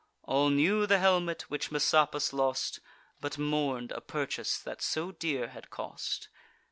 All knew the helmet which Messapus lost, But mourn'd a purchase that so dear had cost.